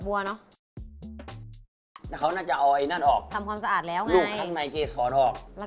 แล้วก็ราสน้ำจิ้มนะคะทุกคนค่ะ